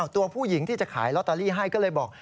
ตัวผู้หญิงที่จะขายลอตเตอรี่ให้ก็เลยบอก